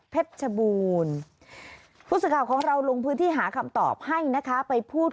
เพชรบูนผู้สาขาของเราลงพื้นที่หากรรมตอบให้นะคะไปพูด